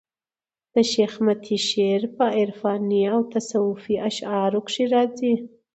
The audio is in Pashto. د شېخ متي شعر په عرفاني او تصوفي اشعارو کښي راځي.